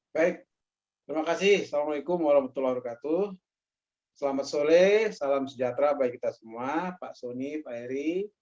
baik terima kasih assalamualaikum warahmatullah wabarakatuh selamat soleh salam sejahtera baik kita semua pak sony pak eri